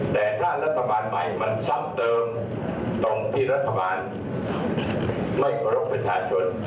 แต่ถ้ารัฐบาลใหม่มันซ้ำเติมตรงที่รัฐบาลไม่เคารพประชาชน